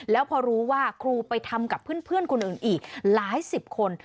แล้วพอรู้ว่าครูไปทำกับเพื่อนคนอื่นอีกหลายสิบคน